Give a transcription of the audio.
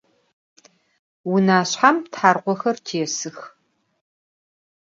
Vunaşshe tharkhoxer têsıx.